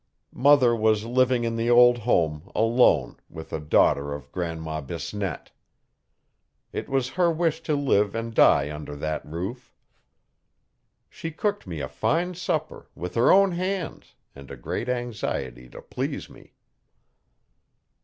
Mother was living in the old home, alone, with a daughter of Grandma Bisnette. It was her wish to live and die under that roof. She cooked me a fine supper, with her own hands, and a great anxiety to please me.